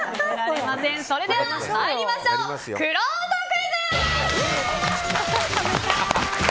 それでは参りましょうくろうとクイズ！